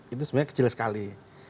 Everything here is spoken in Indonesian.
itu sebenarnya kecil sekali